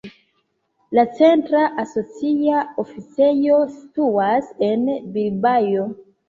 La centra asocia oficejo situas en Bilbao.